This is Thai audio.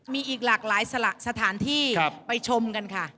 มีอีกหลากหลายสถานที่ไปชมกันค่ะ